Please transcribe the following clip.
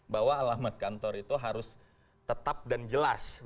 bahwa alamat kantor itu harus tetap dan jelas